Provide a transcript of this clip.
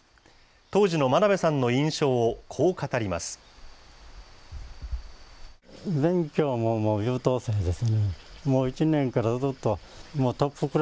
当時の真鍋さんの印象をこう語ります。